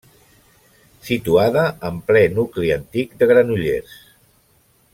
Situada en ple nucli antic de Granollers.